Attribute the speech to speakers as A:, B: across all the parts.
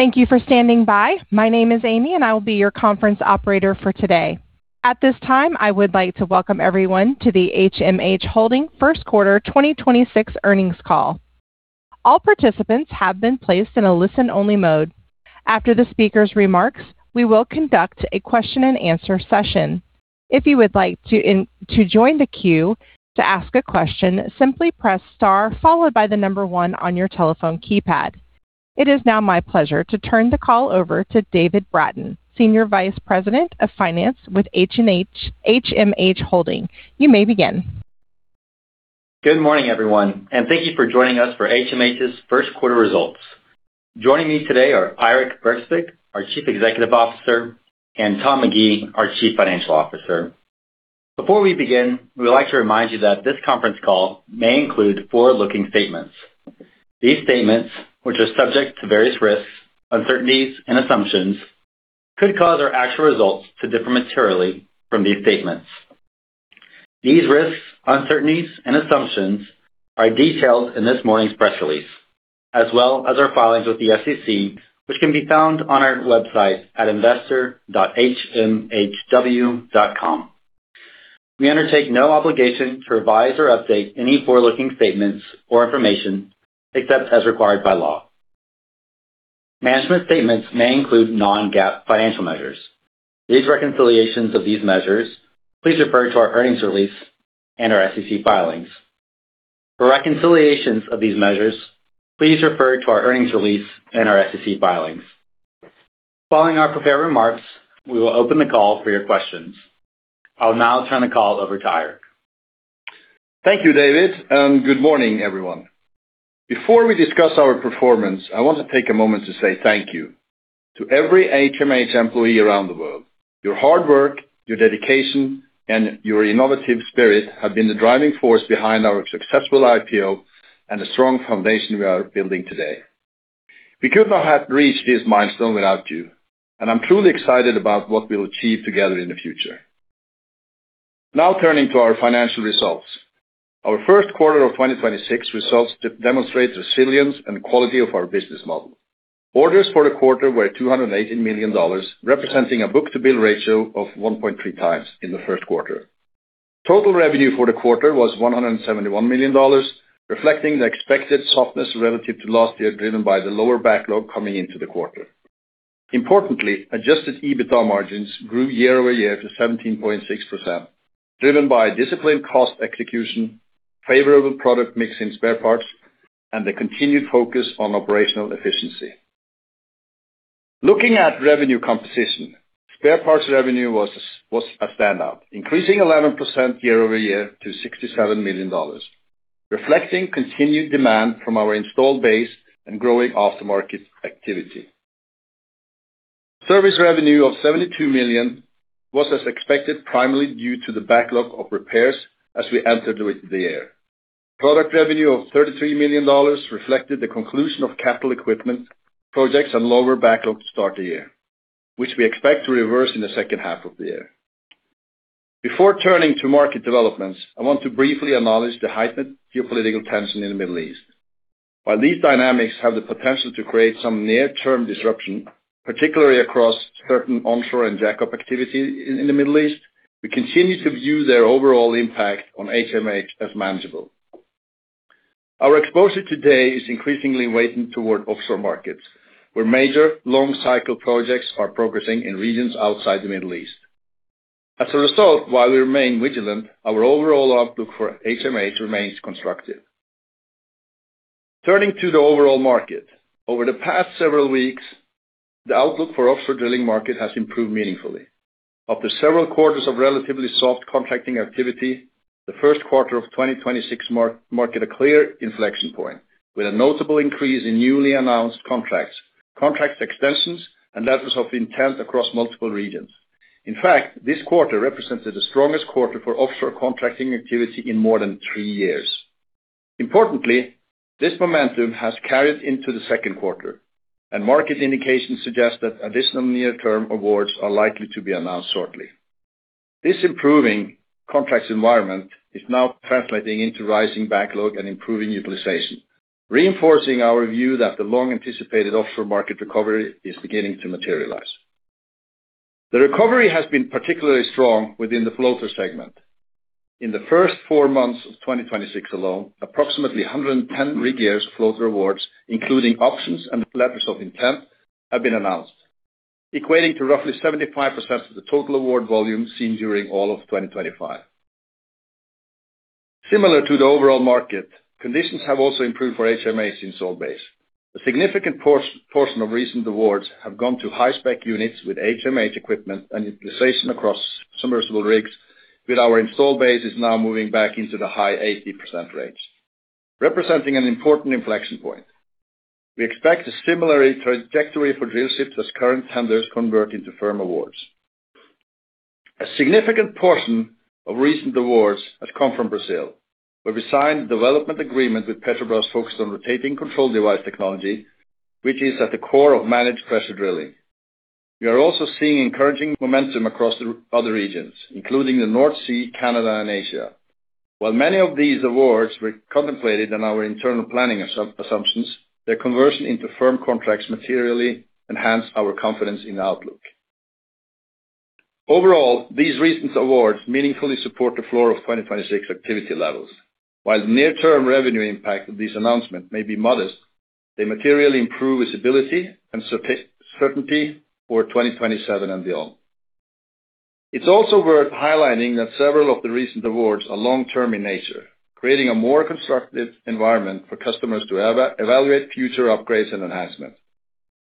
A: Thank you for standing by. My name is Amy, and I will be your conference operator for today. At this time, I would like to welcome everyone to the HMH Holding First Quarter 2026 Earnings Call. All participants have been placed in a listen-only mode. After the speaker's remarks, we will conduct a question and answer session. If you would like to join the queue to ask a question, simply press star followed by one on your telephone keypad. It is now my pleasure to turn the call over to David Bratton, Senior Vice President of Finance with HMH Holding. You may begin.
B: Good morning, everyone, and thank you for joining us for HMH's first quarter results. Joining me today are Eirik Bergsvik, our Chief Executive Officer, and Tom McGee, our Chief Financial Officer. Before we begin, we would like to remind you that this conference call may include forward-looking statements. These statements, which are subject to various risks, uncertainties, and assumptions, could cause our actual results to differ materially from these statements. These risks, uncertainties, and assumptions are detailed in this morning's press release, as well as our filings with the SEC, which can be found on our website at investor.hmhw.com. We undertake no obligation to revise or update any forward-looking statements or information except as required by law. Management statements may include non-GAAP financial measures. For reconciliations of these measures, please refer to our earnings release and our SEC filings. For reconciliations of these measures, please refer to our earnings release and our SEC filings. Following our prepared remarks, we will open the call for your questions. I'll now turn the call over to Eirik.
C: Thank you, David, and good morning, everyone. Before we discuss our performance, I want to take a moment to say thank you to every HMH employee around the world. Your hard work, your dedication, and your innovative spirit have been the driving force behind our successful IPO and the strong foundation we are building today. We could not have reached this milestone without you, and I'm truly excited about what we'll achieve together in the future. Now turning to our financial results. Our first quarter of 2026 results demonstrate the resilience and quality of our business model. Orders for the quarter were $218 million, representing a book-to-bill ratio of 1.3x in the first quarter. Total revenue for the quarter was $171 million, reflecting the expected softness relative to last year, driven by the lower backlog coming into the quarter. Importantly, adjusted EBITDA margins grew year-over-year to 17.6%, driven by disciplined cost execution, favorable product mix in spare parts, and a continued focus on operational efficiency. Looking at revenue composition, spare parts revenue was a standout, increasing 11% year-over-year to $67 million, reflecting continued demand from our installed base and growing aftermarket activity. Service revenue of $72 million was as expected, primarily due to the backlog of repairs as we entered with the year. Product revenue of $33 million reflected the conclusion of capital equipment projects and lower backlog to start the year, which we expect to reverse in the second half of the year. Before turning to market developments, I want to briefly acknowledge the heightened geopolitical tension in the Middle East. While these dynamics have the potential to create some near-term disruption, particularly across certain onshore and jackup activity in the Middle East, we continue to view their overall impact on HMH as manageable. Our exposure today is increasingly weighted toward offshore markets, where major long-cycle projects are progressing in regions outside the Middle East. As a result, while we remain vigilant, our overall outlook for HMH remains constructive. Turning to the overall market. Over the past several weeks, the outlook for offshore drilling market has improved meaningfully. After several quarters of relatively soft contracting activity, the first quarter of 2026 marked a clear inflection point, with a notable increase in newly announced contracts, contract extensions, and letters of intent across multiple regions. In fact, this quarter represented the strongest quarter for offshore contracting activity in more than three years. Importantly, this momentum has carried into the second quarter, and market indications suggest that additional near-term awards are likely to be announced shortly. This improving contracts environment is now translating into rising backlog and improving utilization, reinforcing our view that the long-anticipated offshore market recovery is beginning to materialize. The recovery has been particularly strong within the floater segment. In the first four months of 2026 alone, approximately 110 rig years floater awards, including options and letters of intent, have been announced, equating to roughly 75% of the total award volume seen during all of 2025. Similar to the overall market, conditions have also improved for HMH in installed base. A significant portion of recent awards have gone to high-spec units with HMH equipment and utilization across semisubmersible rigs, with our installed base is now moving back into the high 80% range, representing an important inflection point. We expect a similar trajectory for drillships as current tenders convert into firm awards. A significant portion of recent awards has come from Brazil, where we signed a development agreement with Petrobras focused on rotating control device technology, which is at the core of managed pressure drilling. We are also seeing encouraging momentum across the other regions, including the North Sea, Canada and Asia. While many of these awards were contemplated in our internal planning assumptions, their conversion into firm contracts materially enhance our confidence in outlook. Overall, these recent awards meaningfully support the flow of 2026 activity levels. While the near-term revenue impact of this announcement may be modest, they materially improve visibility and certainty for 2027 and beyond. It's also worth highlighting that several of the recent awards are long-term in nature, creating a more constructive environment for customers to evaluate future upgrades and enhancements,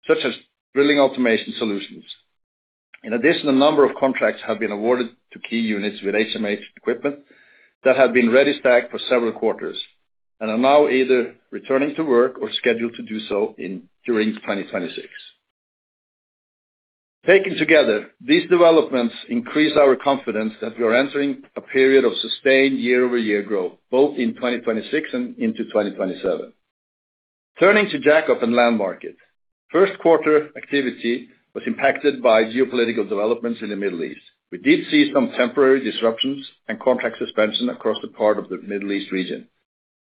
C: such as drilling automation solutions. A number of contracts have been awarded to key units with HMH equipment that have been ready stacked for several quarters and are now either returning to work or scheduled to do so during 2026. Taken together, these developments increase our confidence that we are entering a period of sustained year-over-year growth, both in 2026 and into 2027. Turning to jackup and land market. First quarter activity was impacted by geopolitical developments in the Middle East. We did see some temporary disruptions and contract suspension across the part of the Middle East region.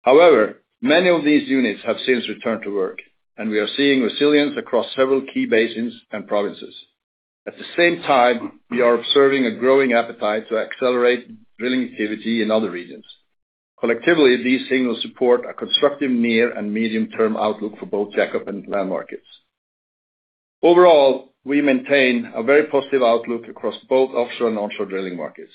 C: However, many of these units have since returned to work, and we are seeing resilience across several key basins and provinces. At the same time, we are observing a growing appetite to accelerate drilling activity in other regions. Collectively, these signals support a constructive near and medium-term outlook for both jackup and land markets. Overall, we maintain a very positive outlook across both offshore and onshore drilling markets.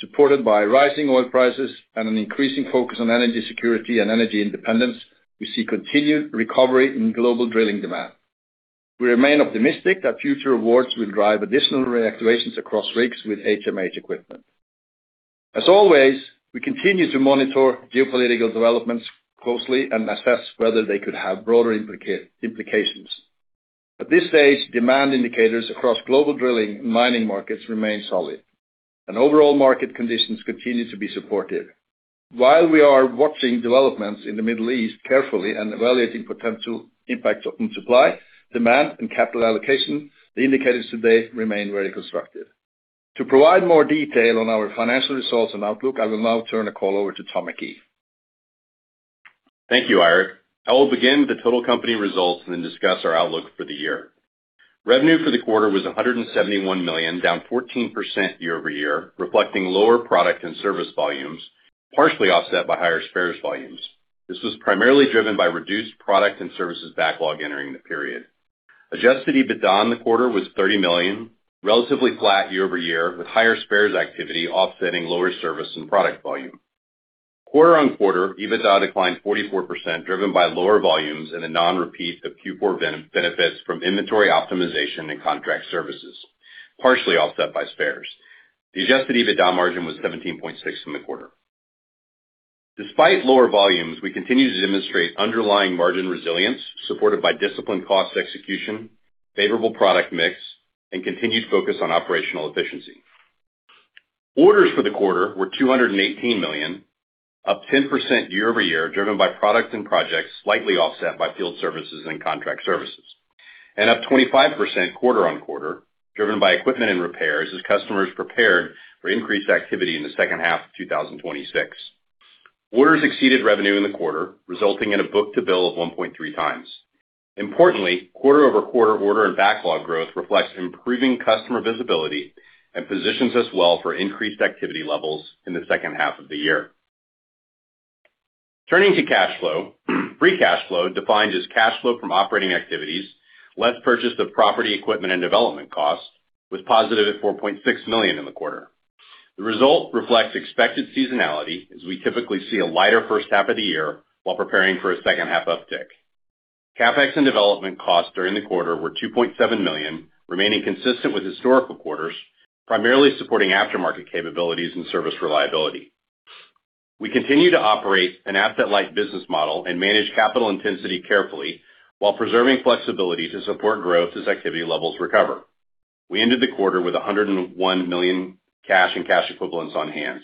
C: Supported by rising oil prices and an increasing focus on energy security and energy independence, we see continued recovery in global drilling demand. We remain optimistic that future awards will drive additional reactivations across rigs with HMH equipment. As always, we continue to monitor geopolitical developments closely and assess whether they could have broader implications. At this stage, demand indicators across global drilling and mining markets remain solid, and overall market conditions continue to be supportive. While we are watching developments in the Middle East carefully and evaluating potential impacts on supply, demand and capital allocation, the indicators today remain very constructive. To provide more detail on our financial results and outlook, I will now turn the call over to Tom McGee.
D: Thank you, Eirik. I will begin with the total company results and then discuss our outlook for the year. Revenue for the quarter was $171 million, down 14% year-over-year, reflecting lower product and service volumes, partially offset by higher spares volumes. This was primarily driven by reduced product and services backlog entering the period. Adjusted EBITDA in the quarter was $30 million, relatively flat year-over-year, with higher spares activity offsetting lower service and product volume. Quarter-on-quarter, EBITDA declined 44%, driven by lower volumes and a non-repeat of Q4 benefits from inventory optimization and contract services, partially offset by spares. The adjusted EBITDA margin was 17.6% in the quarter. Despite lower volumes, we continue to demonstrate underlying margin resilience supported by disciplined cost execution, favorable product mix, and continued focus on operational efficiency. Orders for the quarter were $218 million, up 10% year-over-year, driven by products and projects slightly offset by field services and contract services, and up 25% quarter-on-quarter, driven by equipment and repairs as customers prepared for increased activity in the second half of 2026. Orders exceeded revenue in the quarter, resulting in a book-to-bill of 1.3x. Importantly, quarter-over-quarter order and backlog growth reflects improving customer visibility and positions us well for increased activity levels in the second half of the year. Turning to cash flow. Free cash flow, defined as cash flow from operating activities, less purchase of property equipment and development costs, was positive at $4.6 million in the quarter. The result reflects expected seasonality, as we typically see a lighter first half of the year while preparing for a second half uptick. CapEx and development costs during the quarter were $2.7 million, remaining consistent with historical quarters, primarily supporting aftermarket capabilities and service reliability. We continue to operate an asset-light business model and manage capital intensity carefully while preserving flexibility to support growth as activity levels recover. We ended the quarter with $101 million cash and cash equivalents on hand.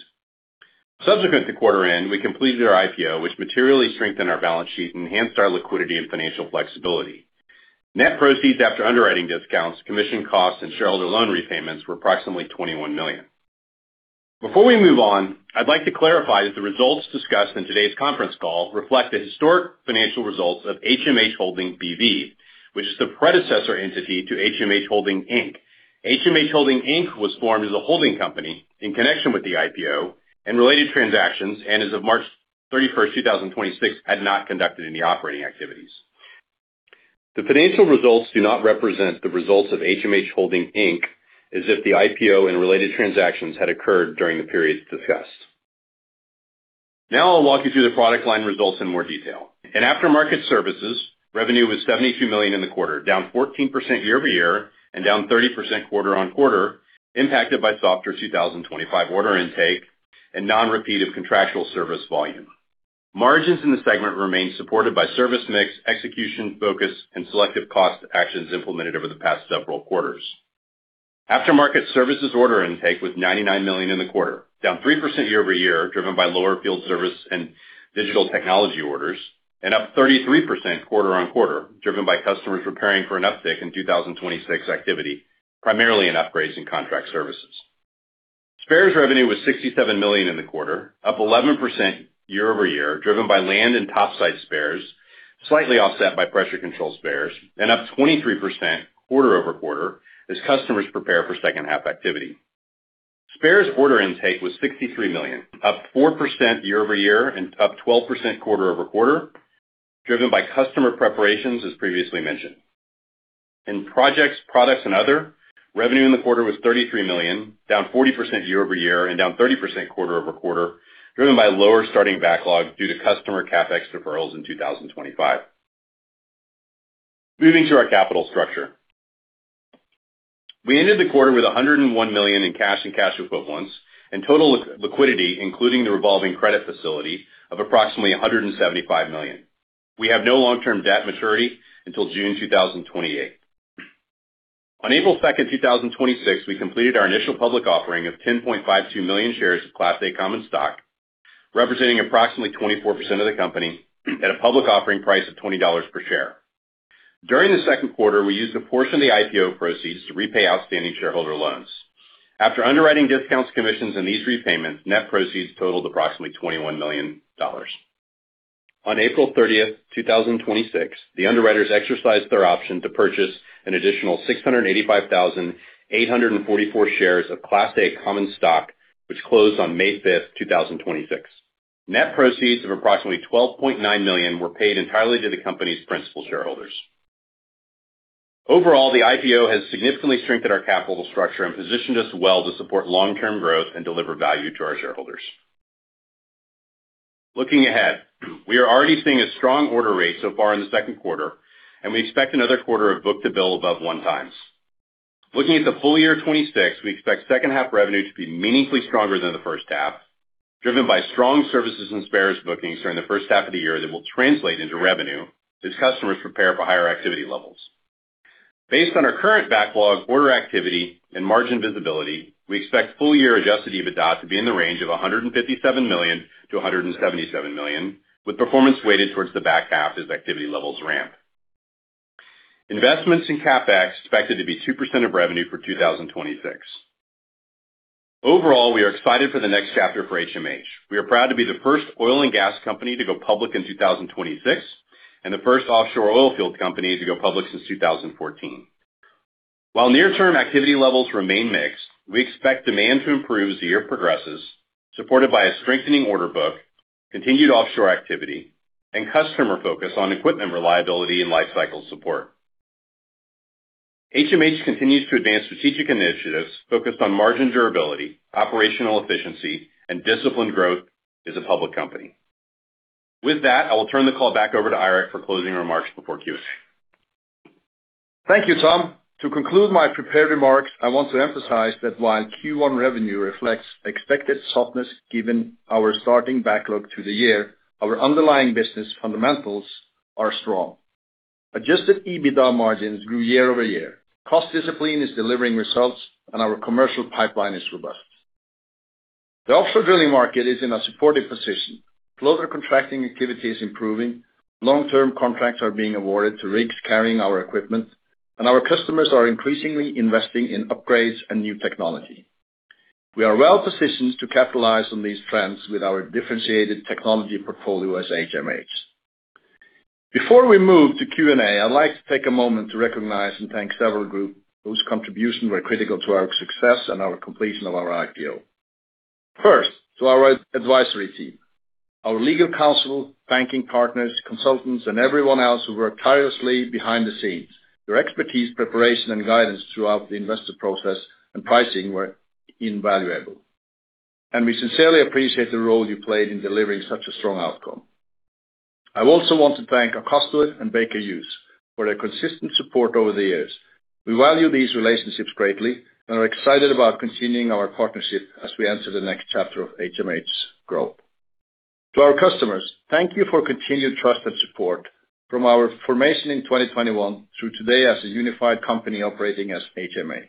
D: Subsequent to quarter end, we completed our IPO, which materially strengthened our balance sheet and enhanced our liquidity and financial flexibility. Net proceeds after underwriting discounts, commission costs, and shareholder loan repayments were approximately $21 million. Before we move on, I'd like to clarify that the results discussed in today's conference call reflect the historic financial results of HMH Holding B.V., which is the predecessor entity to HMH Holding, Inc. HMH Holding, Inc. was formed as a holding company in connection with the IPO and related transactions and as of March 31st, 2026, had not conducted any operating activities. The financial results do not represent the results of HMH Holding, Inc., as if the IPO and related transactions had occurred during the periods discussed. Now I'll walk you through the product line results in more detail. In aftermarket services, revenue was $72 million in the quarter, down 14% year-over-year and down 30% quarter-on-quarter, impacted by softer 2025 order intake and non-repeat of contractual service volume. Margins in the segment remained supported by service mix, execution focus, and selective cost actions implemented over the past several quarters. Aftermarket services order intake was $99 million in the quarter, down 3% year-over-year, driven by lower field service and digital technology orders, and up 33% quarter-on-quarter, driven by customers preparing for an uptick in 2026 activity, primarily in upgrades and contract services. Spares revenue was $67 million in the quarter, up 11% year-over-year, driven by land and topside spares, slightly offset by pressure control spares, and up 23% quarter-over-quarter as customers prepare for second half activity. Spares order intake was $63 million, up 4% year-over-year and up 12% quarter-over-quarter, driven by customer preparations, as previously mentioned. In projects, products, and other, revenue in the quarter was $33 million, down 40% year-over-year and down 30% quarter-over-quarter, driven by lower starting backlog due to customer CapEx deferrals in 2025. Moving to our capital structure. We ended the quarter with $101 million in cash and cash equivalents and total liquidity, including the revolving credit facility of approximately $175 million. We have no long-term debt maturity until June 2028. On April 2nd, 2026, we completed our initial public offering of 10.52 million shares of Class A common stock, representing approximately 24% of the company at a public offering price of $20 per share. During the second quarter, we used a portion of the IPO proceeds to repay outstanding shareholder loans. After underwriting discounts, commissions, and these repayments, net proceeds totaled approximately $21 million. On April 30th, 2026, the underwriters exercised their option to purchase an additional 685,844 shares of Class A common stock, which closed on May 5th, 2026. Net proceeds of approximately $12.9 million were paid entirely to the company's principal shareholders. Overall, the IPO has significantly strengthened our capital structure and positioned us well to support long-term growth and deliver value to our shareholders. Looking ahead, we are already seeing a strong order rate so far in the second quarter, and we expect another quarter of book-to-bill above 1x. Looking at the full year 2026, we expect second half revenue to be meaningfully stronger than the first half, driven by strong services and spares bookings during the first half of the year that will translate into revenue as customers prepare for higher activity levels. Based on our current backlog, order activity, and margin visibility, we expect full year adjusted EBITDA to be in the range of $157 million-$177 million, with performance weighted towards the back half as activity levels ramp. Investments in CapEx expected to be 2% of revenue for 2026. Overall, we are excited for the next chapter for HMH. We are proud to be the first oil and gas company to go public in 2026 and the first offshore oil field company to go public since 2014. While near-term activity levels remain mixed, we expect demand to improve as the year progresses, supported by a strengthening order book, continued offshore activity, and customer focus on equipment reliability and lifecycle support. HMH continues to advance strategic initiatives focused on margin durability, operational efficiency, and disciplined growth as a public company. With that, I will turn the call back over to Eirik for closing remarks before Q&A.
C: Thank you, Tom. To conclude my prepared remarks, I want to emphasize that while Q1 revenue reflects expected softness given our starting backlog to the year, our underlying business fundamentals are strong. Adjusted EBITDA margins grew year-over-year. Cost discipline is delivering results, and our commercial pipeline is robust. The offshore drilling market is in a supportive position. Floater contracting activity is improving. Long-term contracts are being awarded to rigs carrying our equipment, and our customers are increasingly investing in upgrades and new technology. We are well-positioned to capitalize on these trends with our differentiated technology portfolio as HMH. Before we move to Q&A, I'd like to take a moment to recognize and thank several group whose contributions were critical to our success and our completion of our IPO. First, to our advisory team, our legal counsel, banking partners, consultants, and everyone else who worked tirelessly behind the scenes. Your expertise, preparation, and guidance throughout the investor process and pricing were invaluable, and we sincerely appreciate the role you played in delivering such a strong outcome. I also want to thank Akastor and Baker Hughes for their consistent support over the years. We value these relationships greatly and are excited about continuing our partnership as we enter the next chapter of HMH's growth. To our customers, thank you for continued trust and support from our formation in 2021 through today as a unified company operating as HMH.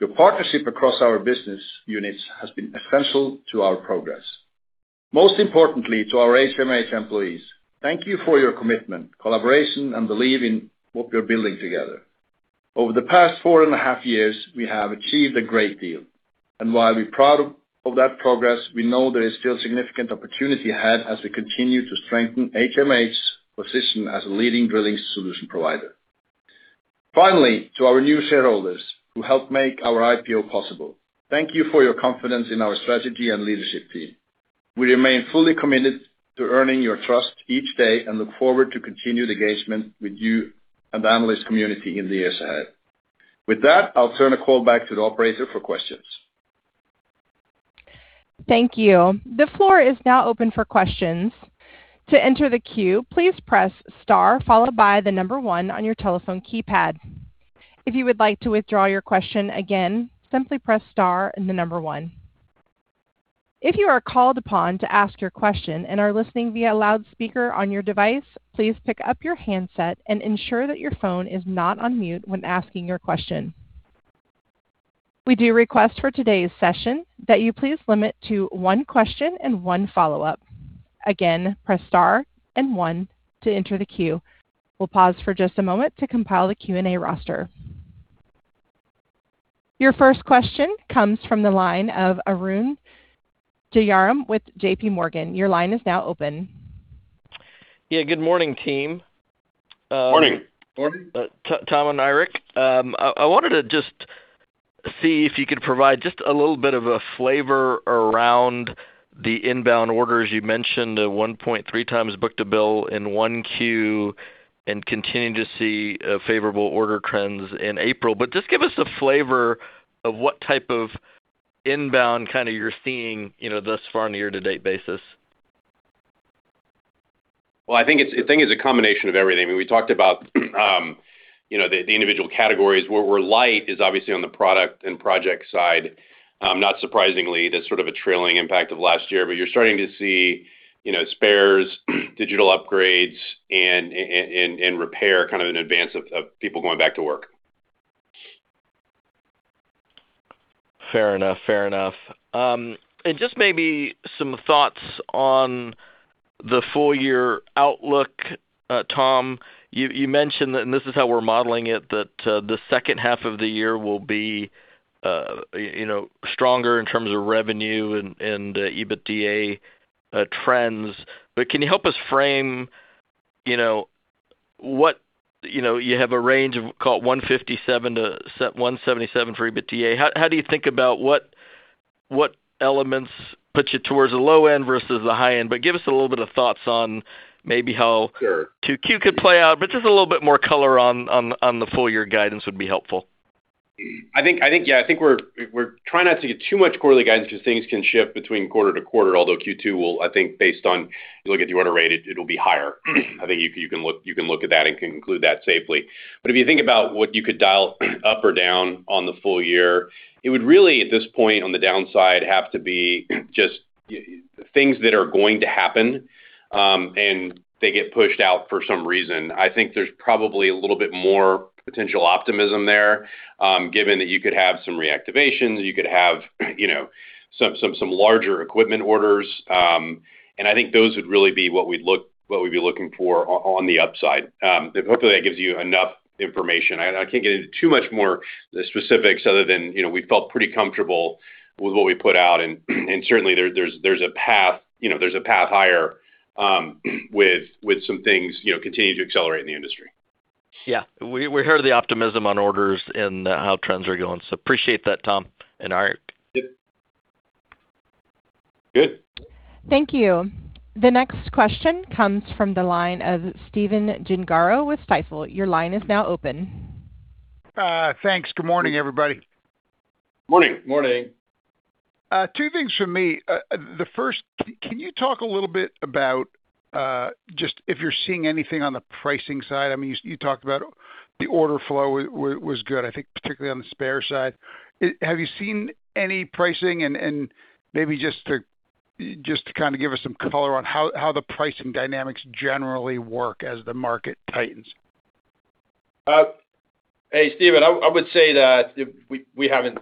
C: Your partnership across our business units has been essential to our progress. Most importantly, to our HMH employees, thank you for your commitment, collaboration, and belief in what we're building together. Over the past 4.5 years, we have achieved a great deal. While we're proud of that progress, we know there is still significant opportunity ahead as we continue to strengthen HMH's position as a leading drilling solution provider. Finally, to our new shareholders who helped make our IPO possible, thank you for your confidence in our strategy and leadership team. We remain fully committed to earning your trust each day and look forward to continued engagement with you and the analyst community in the years ahead. With that, I'll turn the call back to the operator for questions.
A: Thank you. The floor is now open for questions. To enter the queue, please press star followed by number one on your telephone keypad. If you would like to withdraw your question again, simply press star and number one. If you are called upon to ask your question and are listening via loudspeaker on your device, please pick up your handset and ensure that your phone is not on mute when asking your question. We do request for today's session that you please limit to one question and one follow-up. Again, press star and one to enter the queue. We'll pause for just a moment to compile the Q&A roster. Your first question comes from the line of Arun Jayaram with JPMorgan. Your line is now open.
E: Yeah, good morning, team.
D: Morning.
C: Morning.
E: Tom and Eirik, I wanted to just see if you could provide just a little bit of a flavor around the inbound orders. You mentioned the 1.3x book-to-bill in Q1 and continuing to see favorable order trends in April. Just give us a flavor of what type of inbound kind of you're seeing, you know, thus far in the year-to-date basis.
D: Well, I think it's a combination of everything. I mean, we talked about, you know, the individual categories. Where light is obviously on the product and project side, not surprisingly, that's sort of a trailing impact of last year. You're starting to see, you know, spares, digital upgrades, and repair kind of in advance of people going back to work.
E: Fair enough. Fair enough. Just maybe some thoughts on the full year outlook, Tom. You mentioned, and this is how we're modeling it, that the second half of the year will be, you know, stronger in terms of revenue and EBITDA trends. Can you help us frame, you know, what You know, you have a range of call it $157-$177 for EBITDA. How do you think about what elements put you towards the low end versus the high end?
D: Sure.
E: Q2 could play out, but just a little bit more color on the full year guidance would be helpful.
D: I think we're trying not to give too much quarterly guidance because things can shift between quarter to quarter, although Q2 will, I think, based on if you look at the order rate, it'll be higher. I think you can look at that and conclude that safely. If you think about what you could dial up or down on the full year, it would really, at this point on the downside, have to be just things that are going to happen, and they get pushed out for some reason. I think there's probably a little bit more potential optimism there, given that you could have, you know, some larger equipment orders. I think those would really be what we'd be looking for on the upside. Hopefully that gives you enough information. I can't get into too much more specifics other than, you know, we felt pretty comfortable with what we put out and certainly there's a path, you know, there's a path higher, with some things, you know, continuing to accelerate in the industry.
E: Yeah. We heard the optimism on orders and how trends are going. Appreciate that, Tom and Eirik.
D: Good.
A: Thank you. The next question comes from the line of Stephen Gengaro with Stifel. Your line is now open.
F: Thanks. Good morning, everybody.
D: Morning.
C: Morning.
F: Two things from me. The first, can you talk a little bit about, just if you're seeing anything on the pricing side? I mean, you talked about the order flow was good, I think particularly on the spare side. Have you seen any pricing? Maybe just to kind of give us some color on how the pricing dynamics generally work as the market tightens.
C: Hey, Stephen, I would say that we haven't.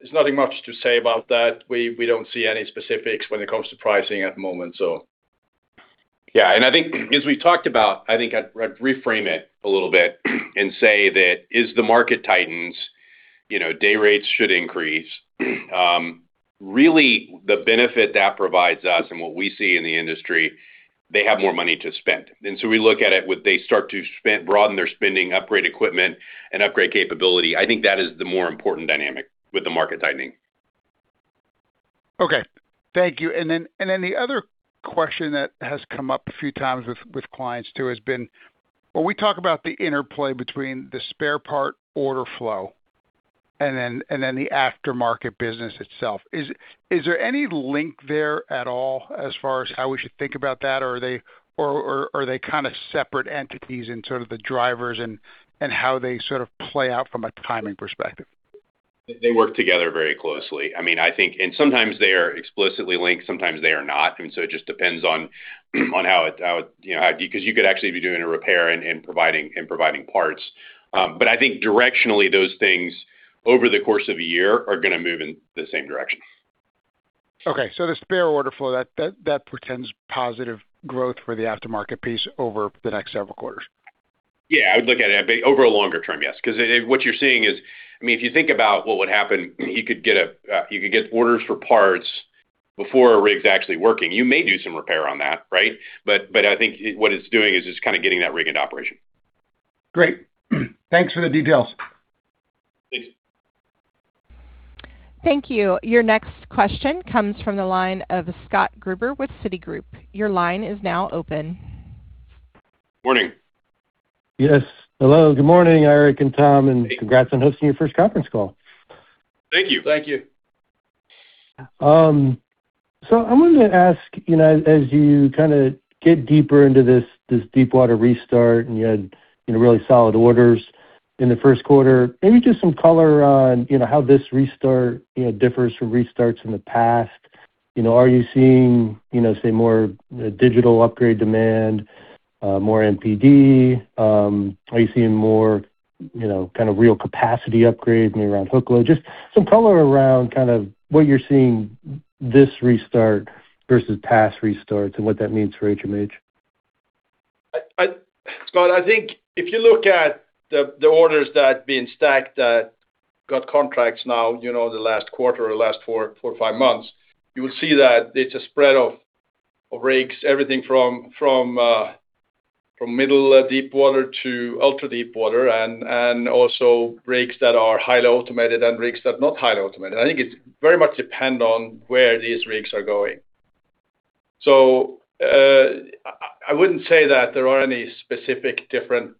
C: There's nothing much to say about that. We don't see any specifics when it comes to pricing at the moment.
D: Yeah, I think as we talked about, I think I'd reframe it a little bit and say that as the market tightens, you know, day rates should increase. Really the benefit that provides us and what we see in the industry, they have more money to spend. We look at it, would they start to spend, broaden their spending, upgrade equipment, and upgrade capability? I think that is the more important dynamic with the market tightening.
F: Okay. Thank you. Then, the other question that has come up a few times with clients too has been, when we talk about the interplay between the spare part order flow and then, the aftermarket business itself, is there any link there at all as far as how we should think about that? Are they kind of separate entities in sort of the drivers and how they sort of play out from a timing perspective?
D: They work together very closely. I mean, sometimes they are explicitly linked, sometimes they are not. It just depends on how it. You know, because you could actually be doing a repair and providing parts. I think directionally, those things over the course of a year are gonna move in the same direction.
F: Okay. The spare order flow, that portends positive growth for the aftermarket piece over the next several quarters?
D: Yeah. I would look at it over a longer term, yes. Because what you're seeing is I mean, if you think about what would happen, you could get orders for parts before a rig's actually working. You may do some repair on that, right? But I think what it's doing is it's kind of getting that rig into operation.
F: Great. Thanks for the details.
D: Thanks.
A: Thank you. Your next question comes from the line of Scott Gruber with Citigroup. Your line is now open.
D: Morning.
G: Yes. Hello. Good morning, Eirik and Tom, and congrats on hosting your first conference call.
D: Thank you.
C: Thank you.
G: I wanted to ask, you know, as you kind of get deeper into this deepwater restart and you had, you know, really solid orders in the first quarter, maybe just some color on, you know, how this restart, you know, differs from restarts in the past. Are you seeing, you know, say more digital upgrade demand, more MPD? Are you seeing more, you know, kind of real capacity upgrades maybe around hook load? Just some color around kind of what you're seeing this restart versus past restarts and what that means for HMH.
C: Scott, I think if you look at the orders that have been stacked that got contracts now, you know, in the last quarter or last four to five months, you will see that it's a spread of rigs. Everything from middle deepwater to ultra-deepwater and also rigs that are highly automated and rigs that are not highly automated. I think it very much depend on where these rigs are going. I wouldn't say that there are any specific different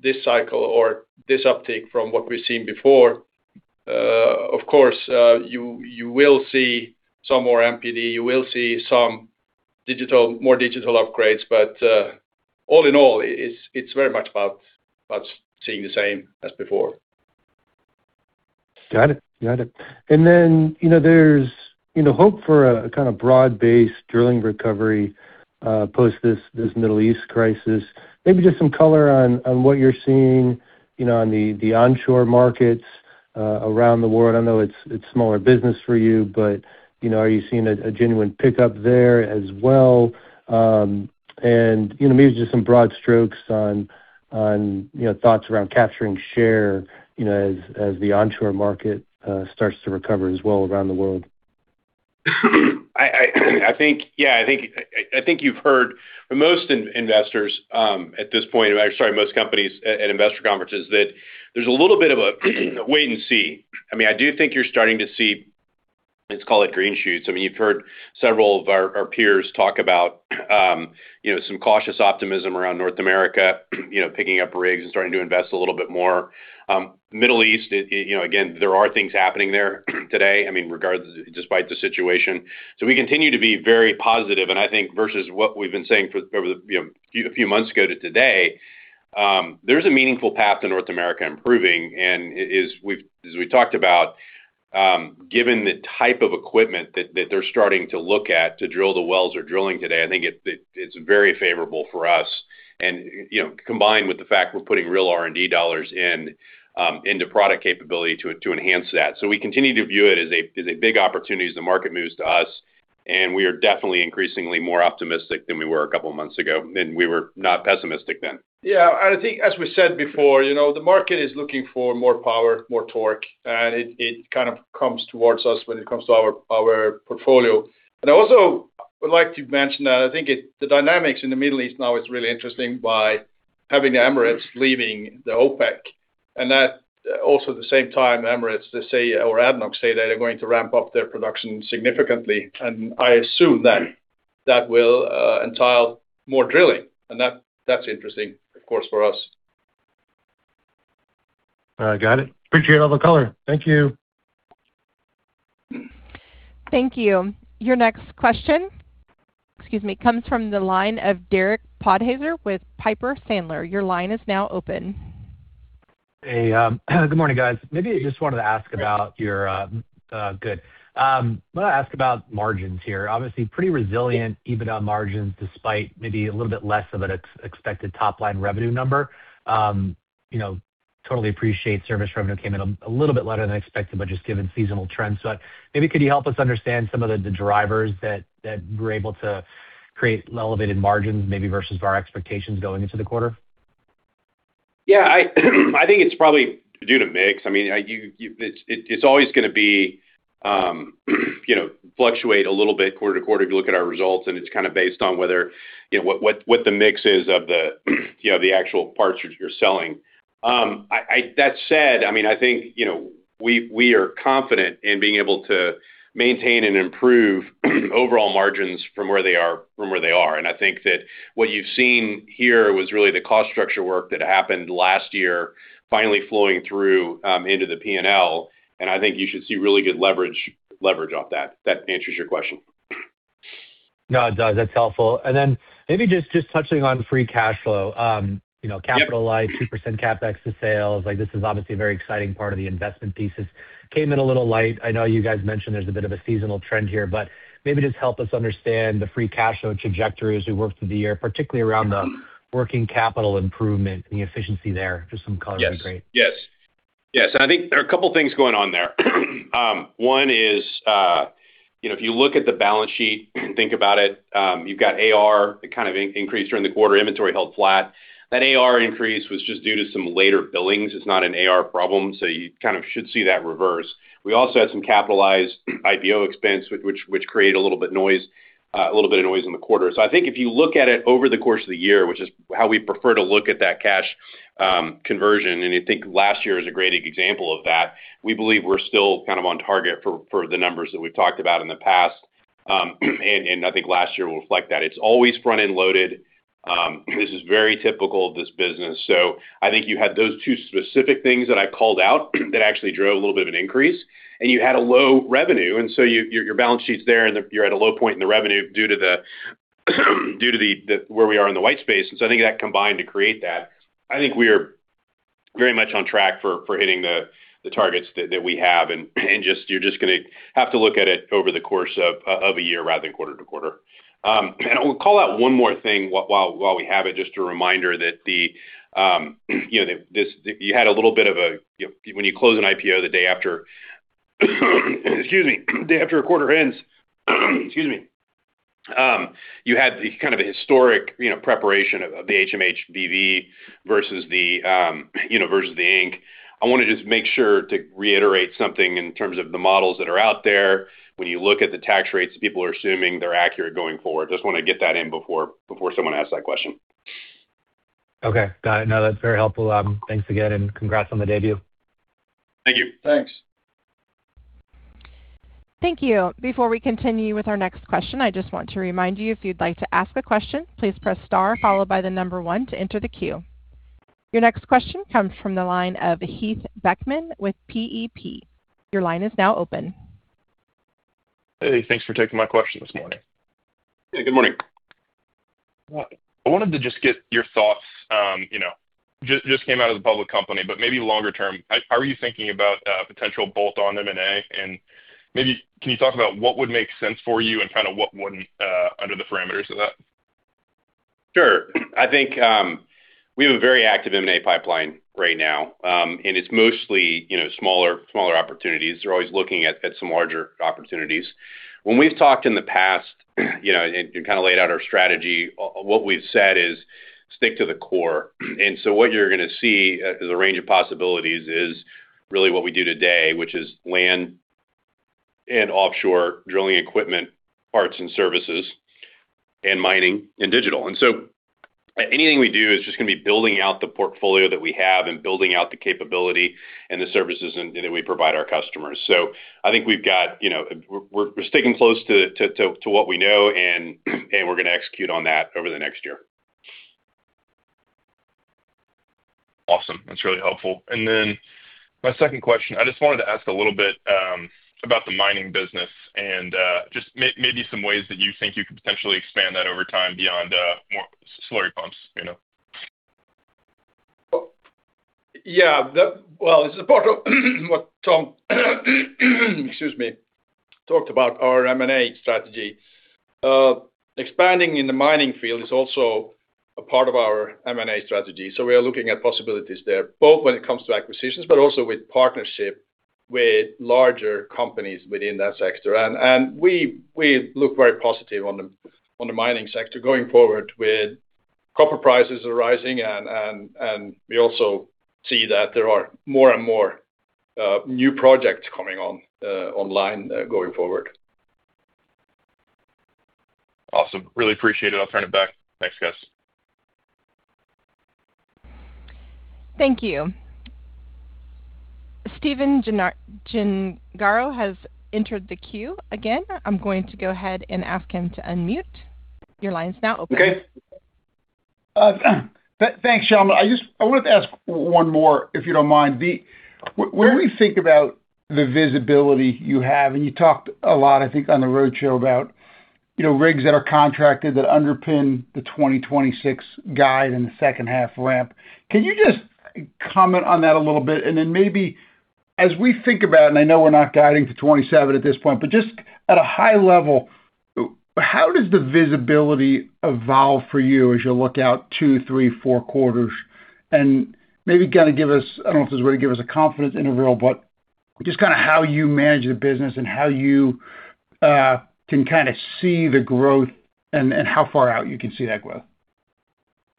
C: this cycle or this uptick from what we've seen before. Of course, you will see some more MPD. You will see some more digital upgrades. All in all, it's very much about seeing the same as before.
G: Got it. Got it. You know, there's, you know, hope for a kind of broad-based drilling recovery post this Middle East crisis. Maybe just some color on what you're seeing, you know, on the onshore markets around the world. I know it's smaller business for you, but, you know, are you seeing a genuine pickup there as well? You know, maybe just some broad strokes on, you know, thoughts around capturing share, you know, as the onshore market starts to recover as well around the world.
D: I think, yeah, I think you've heard for most investors at this point, or sorry, most companies at investor conferences, that there's a little bit of a wait and see. I mean, I do think you're starting to see, let's call it green shoots. I mean, you've heard several of our peers talk about, you know, some cautious optimism around North America, you know, picking up rigs and starting to invest a little bit more. Middle East, you know, again, there are things happening there today, I mean, regardless, despite the situation. We continue to be very positive. I think versus what we've been saying for, over the, you know, a few months ago to today, there's a meaningful path to North America improving. As we talked about, given the type of equipment that they're starting to look at to drill the wells they're drilling today, I think it's very favorable for us, and, you know, combined with the fact we're putting real R&D dollars in into product capability to enhance that. We continue to view it as a big opportunity as the market moves to us, and we are definitely increasingly more optimistic than we were a couple of months ago, and we were not pessimistic then.
C: Yeah. I think as we said before, you know, the market is looking for more power, more torque, and it kind of comes towards us when it comes to our portfolio. I also would like to mention that I think the dynamics in the Middle East now is really interesting by having the Emirates leaving the OPEC, and that also at the same time, Emirates, they say or ADNOC say they are going to ramp up their production significantly. I assume that that will entitle more drilling. That's interesting, of course, for us.
G: All right. Got it. Appreciate all the color. Thank you.
A: Thank you. Your next question, excuse me, comes from the line of Derek Podhaizer with Piper Sandler. Your line is now open.
H: Hey, good morning, guys. Maybe I just wanted to ask about your Good. Wanna ask about margins here. Obviously, pretty resilient EBITDA margins despite maybe a little bit less of an expected top-line revenue number. You know, totally appreciate service revenue came in a little bit lower than expected, but just given seasonal trends. Maybe could you help us understand some of the drivers that were able to create elevated margins maybe versus our expectations going into the quarter?
D: I think it's probably due to mix. I mean, you it's always gonna be, you know, fluctuate a little bit quarter to quarter if you look at our results, and it's kind of based on whether, you know, what the mix is of the, you know, the actual parts you're selling. I that said, I mean, I think, you know, we are confident in being able to maintain and improve overall margins from where they are. I think that what you've seen here was really the cost structure work that happened last year finally flowing through into the P&L, and I think you should see really good leverage off that. If that answers your question.
H: No, it does. That's helpful. Then maybe just touching on free cash flow.
D: Yep.
H: Capitalized 2% CapEx to sales. Like, this is obviously a very exciting part of the investment thesis. Came in a little light. I know you guys mentioned there's a bit of a seasonal trend here, but maybe just help us understand the free cash flow trajectory as we work through the year, particularly around the working capital improvement and the efficiency there. Just some color would be great.
D: Yes. Yes. Yes. I think there are a couple of things going on there. One is, you know, if you look at the balance sheet and think about it, you've got AR, it kind of increased during the quarter. Inventory held flat. That AR increase was just due to some later billings. It's not an AR problem, you kind of should see that reverse. We also had some capitalized IPO expense, which create a little bit noise, a little bit of noise in the quarter. I think if you look at it over the course of the year, which is how we prefer to look at that cash conversion, I think last year is a great example of that, we believe we're still kind of on target for the numbers that we've talked about in the past. And I think last year will reflect that. It's always front-end loaded. This is very typical of this business. I think you had those two specific things that I called out that actually drove a little bit of an increase. You had a low revenue, your balance sheet's there and you're at a low point in the revenue due to the where we are in the white space. I think that combined to create that. I think we are very much on track for hitting the targets that we have. You're just gonna have to look at it over the course of a year rather than quarter-to-quarter. I will call out one more thing while we have it, just a reminder that you know, you had a little bit of a, you know, when you close an IPO the day after, day after a quarter ends, you had the kind of a historic, you know, preparation of the HMH Holding B.V. versus the, you know, versus the Inc. I wanna just make sure to reiterate something in terms of the models that are out there when you look at the tax rates people are assuming they're accurate going forward. Just wanna get that in before someone asks that question.
H: Okay. Got it. No, that's very helpful. Thanks again, and congrats on the debut.
D: Thank you.
C: Thanks.
A: Thank you. Before we continue with our next question, I just want to remind you if you'd like to ask a question, please press star followed by the number one to enter the queue. Your next question comes from the line of Keith Beckmann with PEP. Your line is now open.
I: Hey, thanks for taking my question this morning.
D: Yeah, good morning.
I: I wanted to just get your thoughts, you know, just came out as a public company, but maybe longer term, how are you thinking about potential bolt-on M&A? Maybe can you talk about what would make sense for you and kind of what wouldn't under the parameters of that?
D: Sure. I think, we have a very active M&A pipeline right now. And it's mostly, you know, smaller opportunities. We're always looking at some larger opportunities. When we've talked in the past, you know, and kind of laid out our strategy, what we've said is stick to the core. What you're gonna see, as a range of possibilities is really what we do today, which is land and offshore drilling equipment, parts and services, and mining and digital. Anything we do is just gonna be building out the portfolio that we have and building out the capability and the services that we provide our customers. I think we've got, you know, we're sticking close to what we know and we're gonna execute on that over the next year.
I: Awesome. That's really helpful. My second question, I just wanted to ask a little bit about the mining business and maybe some ways that you think you could potentially expand that over time beyond more slurry pumps, you know?
C: Well, this is part of what Tom, excuse me, talked about our M&A strategy. Expanding in the mining field is also a part of our M&A strategy, so we are looking at possibilities there, both when it comes to acquisitions, but also with partnership with larger companies within that sector. We look very positive on the mining sector going forward with copper prices are rising and we also see that there are more and more new projects coming online going forward.
I: Awesome. Really appreciate it. I'll turn it back. Thanks, guys.
A: Thank you. Stephen Gengaro has entered the queue. Again, I'm going to go ahead and ask him to unmute. Your line is now open.
D: Okay.
F: Thanks, gentlemen. I wanted to ask one more, if you don't mind.
D: Sure.
F: When we think about the visibility you have, and you talked a lot, I think, on the roadshow about, you know, rigs that are contracted that underpin the 2026 guide and the second half ramp, can you just comment on that a little bit? Then maybe as we think about, and I know we're not guiding to 2027 at this point, but just at a high level, how does the visibility evolve for you as you look out two, three, four quarters? Maybe kinda give us, I don't know if this is where you give us a confidence interval, but just kinda how you manage the business and how you can kinda see the growth and how far out you can see that growth.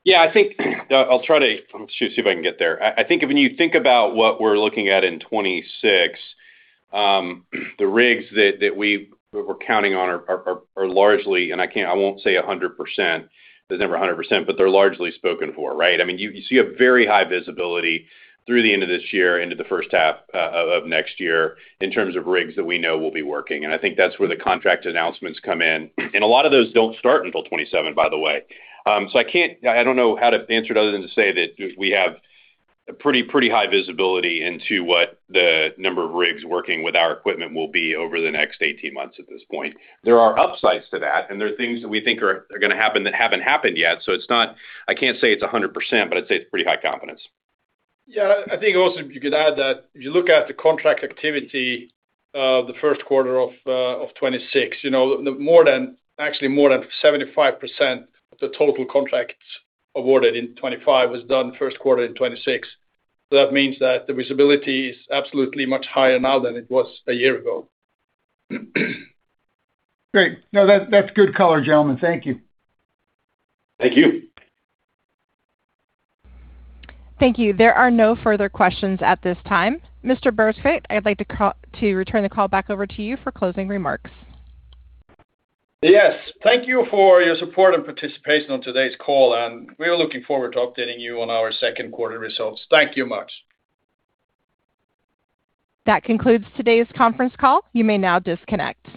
D: Yeah. I think, I'm just gonna see if I can get there. I think if when you think about what we're looking at in 2026, the rigs that we're counting on are largely, and I won't say 100%, there's never 100%, but they're largely spoken for, right? I mean, you see a very high visibility through the end of this year into the first half of next year in terms of rigs that we know will be working, and I think that's where the contract announcements come in. A lot of those don't start until 2027, by the way. I don't know how to answer it other than to say that we have pretty high visibility into what the number of rigs working with our equipment will be over the next 18 months at this point. There are upsides to that, and there are things that we think are gonna happen that haven't happened yet, so it's not. I can't say it's 100%, but I'd say it's pretty high confidence.
C: Yeah. I think also you could add that if you look at the contract activity, the first quarter of 2026, you know, actually more than 75% of the total contracts awarded in 2025 was done first quarter in 2026. That means that the visibility is absolutely much higher now than it was a year ago.
F: Great. No. That's good color, gentlemen. Thank you.
D: Thank you.
A: Thank you. There are no further questions at this time. Eirik Bergsvik, I'd like to return the call back over to you for closing remarks.
C: Yes. Thank you for your support and participation on today's call. We are looking forward to updating you on our second quarter results. Thank you much.
A: That concludes today's conference call. You may now disconnect.